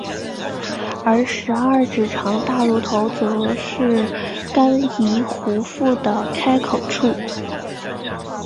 而十二指肠大乳头则是肝胰壶腹的开口处。